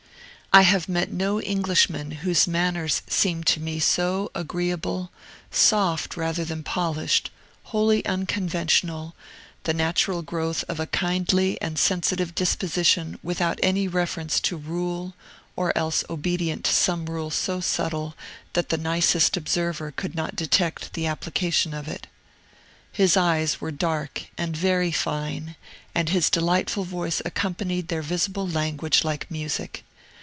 I have met no Englishman whose manners seemed to me so agreeable, soft, rather than polished, wholly unconventional, the natural growth of a kindly and sensitive disposition without any reference to rule, or else obedient to some rule so subtile that the nicest observer could not detect the application of it. His eyes were dark and very fine, and his delightful voice accompanied their visible language like music.